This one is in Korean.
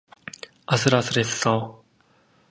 아슬아슬했어.